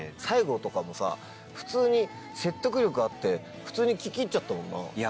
最後とかもさ普通に説得力あって普通に聞き入っちゃったもんなぁ。